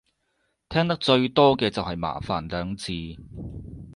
聽得最多嘅就係麻煩兩字